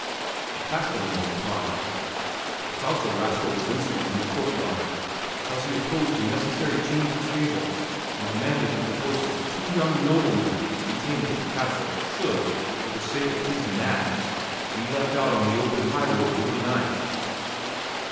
The castellan replied, "Because the rascal was insolent in the courtyard; because he opposed a necessary change of stables and demanded that the horses of two young noblemen, who came to the castle, should, for the sake of his nags, be left out on the open high road over night."